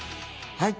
はい！